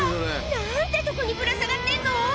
何てとこにぶら下がってんの？